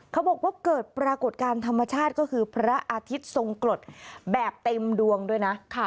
เขาบอกว่าเกิดปรากฏการณ์ธรรมชาติก็คือพระอาทิตย์ทรงกรดแบบเต็มดวงด้วยนะ